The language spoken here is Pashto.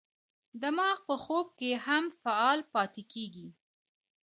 دماغ په خوب کې هم فعال پاتې کېږي.